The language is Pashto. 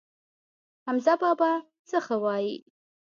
حمزه بابا څه ښه وايي.